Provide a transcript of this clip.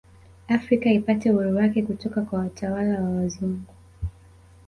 Afrika ipate uhuru wake kutoka kwa watwala wa wazungu